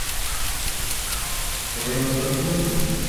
ڀیرون ھوئي گیونھ